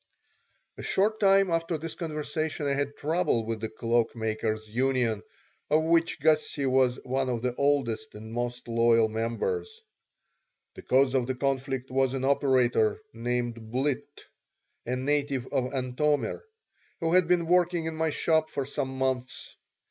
A short time after this conversation I had trouble with the Cloak makers' Union, of which Gussie was one of the oldest and most loyal members The cause of the conflict was an operator named Blitt, a native of Antomir, who had been working in my shop for some months.